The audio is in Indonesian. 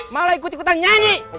malah ikut ikutan nyanyi